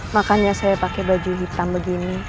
makanya saya pakai baju hitam begini